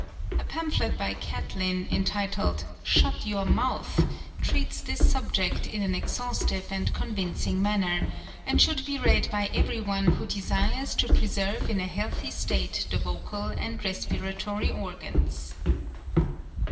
A pamphlet by Catlin, entitled "Shut your Mouth, " treats this sub ject in an exhaustive and convincing manner, and should be read by every one who desires to preserve in a healthly state the vocal and respiratory organs.